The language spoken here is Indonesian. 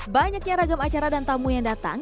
banyaknya ragam acara dan tamu yang datang